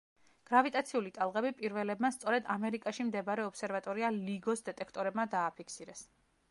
გრავიტაციული ტალღები პირველებმა სწორედ ამერიკაში მდებარე ობსერვატორია „ლიგოს“ დეტექტორებმა დააფიქსირეს.